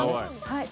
はい。